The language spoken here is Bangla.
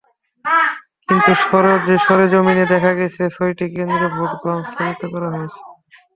কিন্তু সরেজমিনে দেখা গেছে, ছয়টি কেন্দ্রে ভোট গ্রহণ স্থগিত করা হয়েছে।